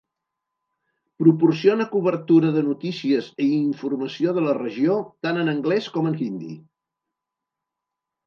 Proporciona cobertura de notícies i informació de la regió tant en anglès com en hindi.